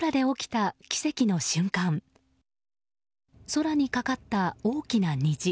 空にかかった大きな虹。